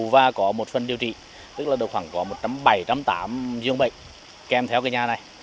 và có một phần điều trị tức là khoảng có bảy trăm linh tám giường bệnh kèm theo cái nhà này